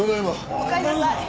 おかえりなさい。